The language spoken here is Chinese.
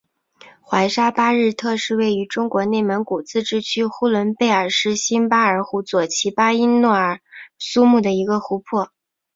准沙巴日特是位于中国内蒙古自治区呼伦贝尔市新巴尔虎左旗巴音诺尔苏木的一个湖泊。